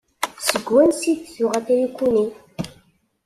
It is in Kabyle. Seg wansi i d-tuɣ atriku-nni?